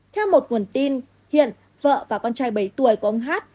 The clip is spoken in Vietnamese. theo một nguồn tin hiện vợ và con trai bảy tuổi của ông hát